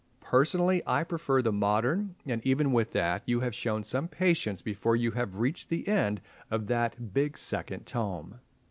Personally, I prefer the modern, and even with that you have shown some patience before you have reached the end of that big second tome.